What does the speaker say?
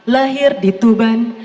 lahir di tuban